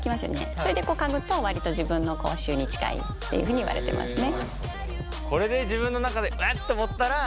それで嗅ぐと割と自分の口臭に近いっていうふうに言われてますね。